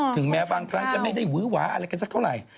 ถึงแม้บางครั้งจะไม่ได้วื้อหวาอะไรกันสักเท่าไหร่